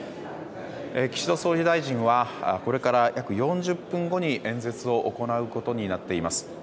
岸田総理大臣はこれから約４０分後に演説を行うことになっています。